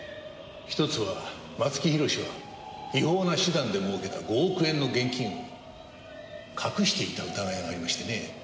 １つは松木弘は違法な手段で儲けた５億円の現金を隠していた疑いがありましてね。